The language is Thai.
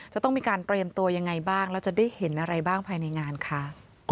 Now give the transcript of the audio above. จะต้องมีการเตรียมตัวยังไงบ้างแล้วจะได้เห็นอะไรบ้างภายในงานคะ